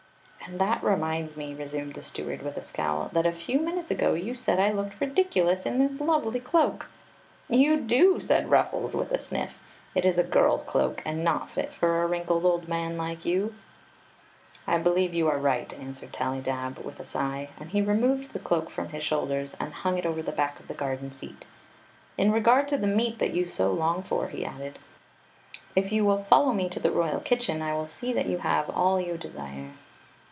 "And that reminds me," resumed the steward with a scowl, " that a few minutes ago you said I looked ridiculous in this lovely cloak." " You do !' said Ruffles, with a snift " It is a girls cloak, smd not fit for a wrinkled old man like you. "I believe you are right," answered Tallydab. with a sigh; and he removed the cloak from his shoulders and hung it over the back of the garden seat "In regard to the meat that you so long for," he added, "if you will follow me to the royal kitchen I will see that you have all you desire.